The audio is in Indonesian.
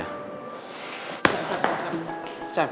kalau itu dia akan bisa nyuruh